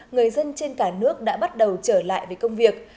người dân trên cả nước đã bắt đầu trở lại với công việc